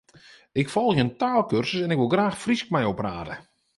Ik folgje in taalkursus en ik wol graach Frysk mei jo prate.